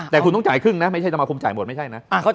แต่คุณต้องจ่ายครึ่งนะไม่ใช่สมาคมจ่ายหมดไม่ใช่นะ